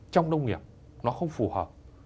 trong nông nghiệp nó không phù hợp